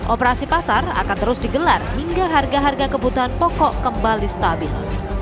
operasi pasar akan terus digelar hingga harga harga kebutuhan pokok kembali stabil